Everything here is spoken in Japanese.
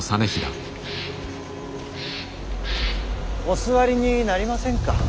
お座りになりませんか。